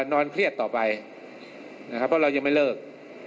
นอนเครียดต่อไปนะครับเพราะเรายังไม่เลิก